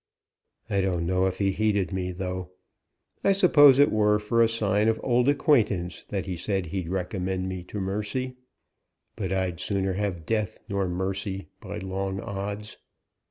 I don't know if he heeded me, though. I suppose it were for a sign of old acquaintance that he said he'd recommend me to mercy. But I'd sooner have death nor mercy, by long odds.